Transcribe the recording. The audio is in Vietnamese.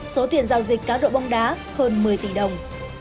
số tiền giao dịch cá độ bóng đá hơn một mươi tỷ đồng